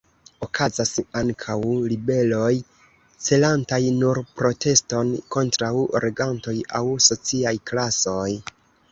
Okazas ankaŭ ribeloj celantaj nur proteston kontraŭ regantoj aŭ sociaj klasoj.